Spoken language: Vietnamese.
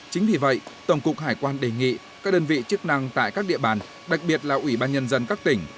chính vì vậy tổng cục hải quan đề nghị các đơn vị chức năng tại các địa bàn đặc biệt là ủy ban nhân dân các tỉnh